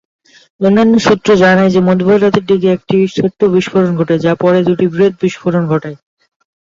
অন্যান্য সূত্র জানায় যে মধ্যরাতের দিকে একটি ছোট্ট বিস্ফোরণ ঘটে, যা পরে দুটি বৃহত বিস্ফোরণ ঘটায়।